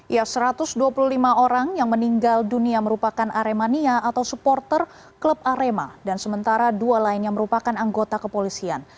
ya satu ratus dua puluh lima orang yang meninggal dunia merupakan aremania atau supporter klub arema dan sementara dua lainnya merupakan anggota kepolisian